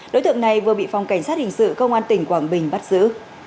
đối tượng này vừa bị phòng cảnh sát hình sự công an tỉnh quảng bình bắt giữ